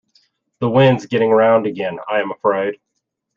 The wind's getting round again, I am afraid.